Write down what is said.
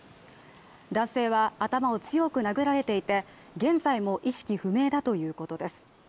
男性は、頭を強く殴られていて現在も意識不明だということです。